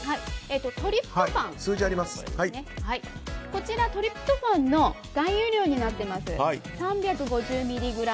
こちらはトリプトファンの含有量になっています。